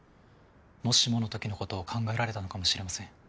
もしものときのことを考えられたのかもしれません。